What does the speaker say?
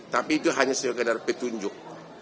tapi itu hanya sekedar petunjuk